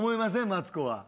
マツコは。